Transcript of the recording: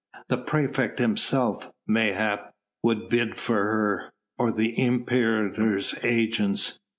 The praefect himself, mayhap, would bid for her, or the imperator's agents!